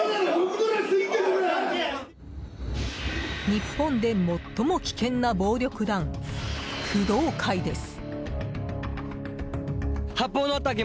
日本で最も危険な暴力団工藤会です。